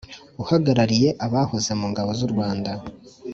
Uhagarariye abahoze mu ngabo z’u Rwanda